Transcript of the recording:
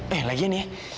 eh lagian ya